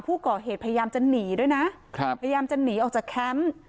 พยายามจะหนีด้วยนะครับพยายามจะหนีออกจากแคมป์